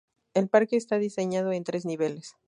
El parque está diseñado en tres niveles.